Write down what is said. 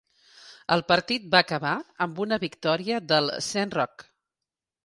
El partit va acabar amb una victòria del Saint Roch.